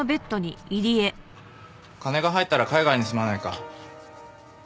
金が入ったら海外に住まないか？